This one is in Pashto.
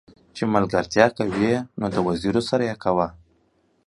چې ملګرتيا کې نه وزيرو سره يې کاوه.